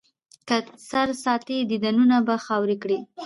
که سر ساتې، دیدنونه به خاورې کړي.